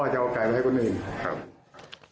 กลัวพ่อจะเอาไก่มาให้คนอื่น